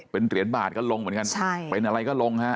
เป็นเหรียญบาทก็ลงเหมือนกันใช่เป็นอะไรก็ลงฮะ